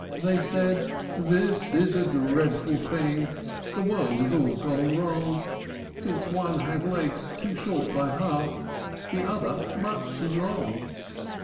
They said, "This is a dreadful thing! The world has all gone wrong, Since one has legs too short by half, The other much too long.